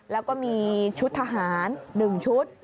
แล้วก็มีชุดทหาร๑ชุด